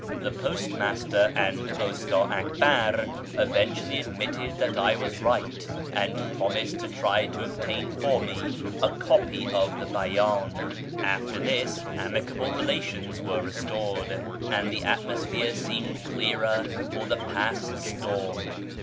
The postmaster and Ustii Akbar eventually admitted that I was right, and promised to try to obtain for me a copy of the Bcydn. After this, amicable relations were restored, and the atmosphere seemed clearer for the past storm.